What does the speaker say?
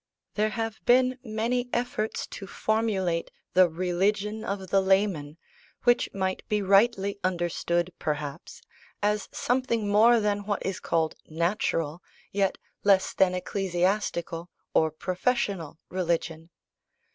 There have been many efforts to formulate the "religion of the layman," which might be rightly understood, perhaps, as something more than what is called "natural," yet less than ecclesiastical, or "professional" religion.